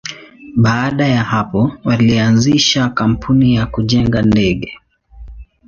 Baada ya hapo, walianzisha kampuni ya kujenga ndege.